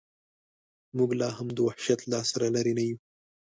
موږ لا هم د وحشت له عصره لرې نه یو.